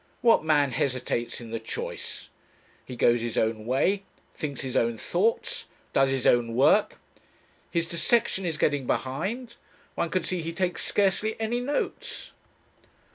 What man hesitates in the choice? He goes his own way, thinks his own thoughts, does his own work ... "His dissection is getting behind one can see he takes scarcely any notes...."